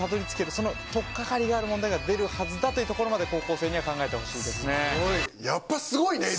その取っ掛かりがある問題が出るはずだというところまで高校生には考えてほしいですね。